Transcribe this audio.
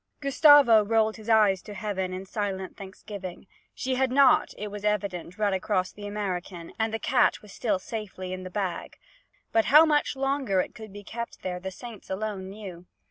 Gustavo rolled his eyes to heaven in silent thanksgiving. She had not, it was evident, run across the American, and the cat was still safely in the bag; but how much longer it could be kept there the saints alone knew.